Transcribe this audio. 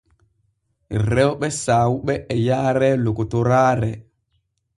Rewɓe saawuɓe e yaare lokotoraare.